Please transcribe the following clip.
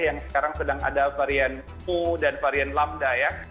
yang sekarang sedang ada varian u dan varian lamda ya